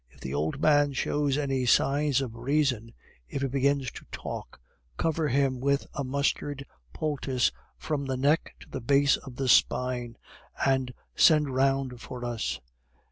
If the old man shows any signs of reason, if he begins to talk, cover him with a mustard poultice from the neck to the base of the spine, and send round for us."